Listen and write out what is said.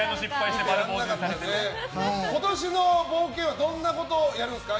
今年の冒険王はどんなことをやるんですか？